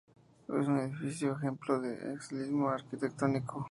Es un edificio ejemplo de eclecticismo arquitectónico.